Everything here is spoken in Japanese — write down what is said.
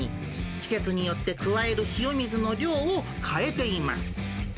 季節によって加える塩水の量を変えています。